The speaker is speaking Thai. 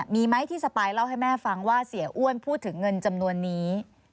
มีไหมที่สปายเล่าให้แม่ฟังว่าเสียอ้วนพูดถึงเงินจำนวนนี้